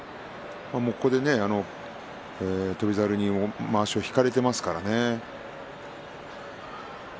最後、翔猿にまわしを引かれてしまいましたからね。